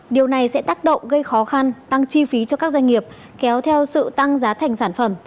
điều này sẽ tác động gây khó khăn tăng chi phí cho các doanh nghiệp kéo theo sự tăng giá thành sản phẩm